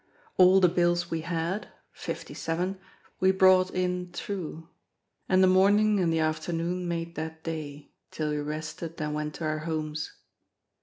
All the bills we had—fifty seven—we brought in true. And the morning and the afternoon made that day, till we rested and went to our homes.